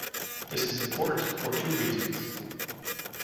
This is important for two reasons.